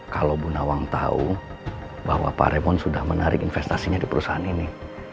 kalau bunawang tahu bahwa pak raymond sudah menarik investasinya di perusahaan ini